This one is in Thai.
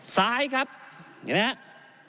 ซ้ายครับอย่างนี้นะครับ